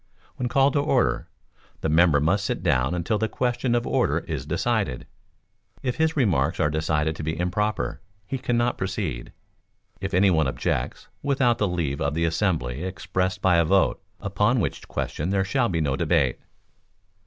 When called to order, the member must sit down until the question of order is decided. If his remarks are decided to be improper, he cannot proceed, if any one objects, without the leave of the assembly expressed by a vote, upon which question there shall be no debate.